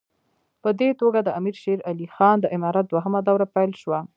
په دې توګه د امیر شېر علي خان د امارت دوهمه دوره پیل شوه.